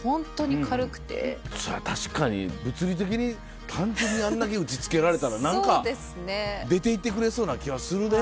そりゃ確かに物理的に端的にあんだけ打ち付けられたら何か出ていってくれそうな気はするね。